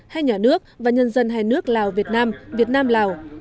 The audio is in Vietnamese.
hai nhà nước và nhân dân hai nước lào việt nam việt nam lào